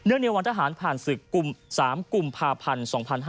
เนื่องในวันทหารผ่านศึกกลุ่ม๓กลุ่มภาพันธ์๒๕๕๙